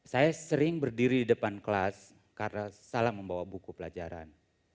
saya sering berdiri di depan kelas karena salah membawa buku pelajaran